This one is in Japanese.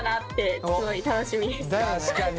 確かに。